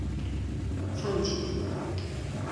さんじ